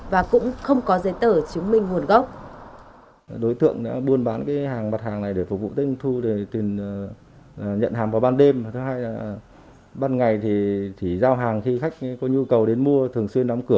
và cũng không có giấy tờ chứng minh nguồn gốc